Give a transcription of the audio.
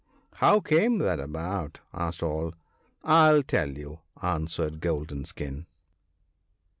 " How came that about ?" asked all. " I'll tell you," answered Golden skin.